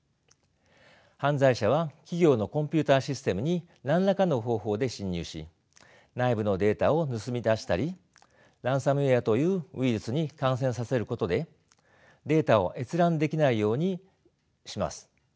犯罪者は企業のコンピューターシステムに何らかの方法で侵入し内部のデータを盗み出したりランサムウェアというウイルスに感染させることでデータを閲覧できないようにします。